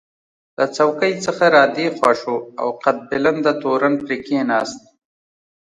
له څوکۍ څخه را دې خوا شو او قد بلنده تورن پرې کېناست.